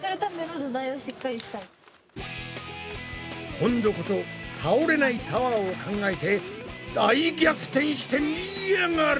今度こそ倒れないタワーを考えて大逆転してみやがれ！